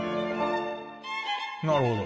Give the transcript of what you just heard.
なるほど。